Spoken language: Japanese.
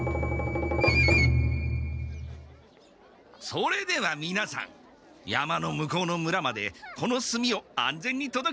それではみなさん山の向こうの村までこの炭を安全にとどけてくださいね。